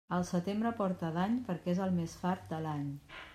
El setembre porta dany perquè és el més fart de l'any.